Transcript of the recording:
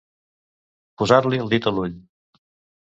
Posar-li el dit a l'ull.